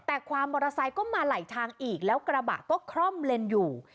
แต่ความมอเตอร์ไซค์ก็มาไหลทางอีกแล้วกระบะก็คร่อมเลนอยู่